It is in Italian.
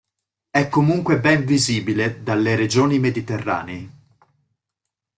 È comunque ben visibile dalle regioni mediterranee.